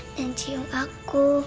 dan siung aku